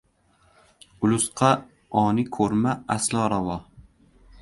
Ulusqa oni ko‘rma aslo ravo.